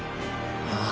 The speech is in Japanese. ああ。